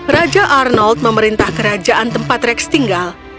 raja arnold memerintah kerajaan tempat rex tinggal